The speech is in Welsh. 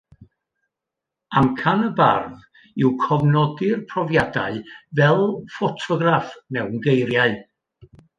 Amcan y bardd yw cofnodi'r profiadau fel ffotograff mewn geiriau